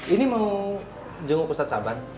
ini mau jenguk ustadz saban